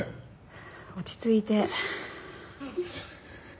落ち着いて。